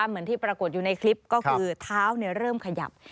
เหมือนที่ปรากฏอยู่ในคลิปก็คือเท้าเริ่มขยับ